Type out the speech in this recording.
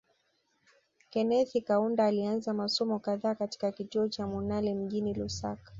Kenethi Kaunda alianza masomo kadhaa katika kituo cha Munali mjini Lusaka